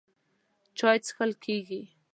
چای څښل کېږي.